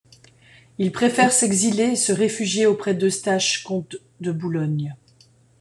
Il préfère s'exiler et se réfugier auprès d'Eustache, comte de Boulogne.